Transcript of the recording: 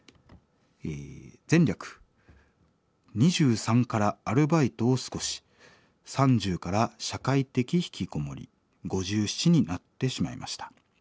「前略２３からアルバイトを少し３０から社会的ひきこもり５７になってしまいました。